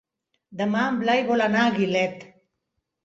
Demà en Blai vol anar a Gilet.